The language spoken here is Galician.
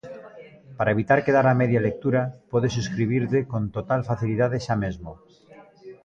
Para evitar quedar a media lectura, podes subscribirte con total facilidade xa mesmo!